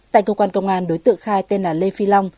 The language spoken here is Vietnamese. tại cơ quan công an đối tượng khai tên là lê phi long